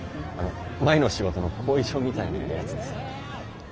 前の仕事の後遺症みたいなやつでさ。